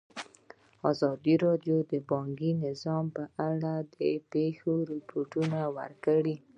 ازادي راډیو د بانکي نظام په اړه د پېښو رپوټونه ورکړي.